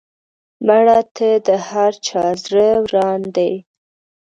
مړه ته د هر چا زړه وران دی